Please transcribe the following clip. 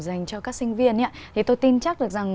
dành cho các sinh viên thì tôi tin chắc được rằng